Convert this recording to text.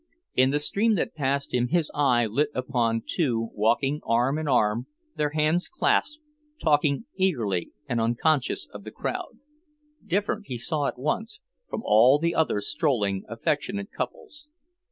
In the stream that passed him, his eye lit upon two walking arm in arm, their hands clasped, talking eagerly and unconscious of the crowd, different, he saw at once, from all the other strolling, affectionate couples.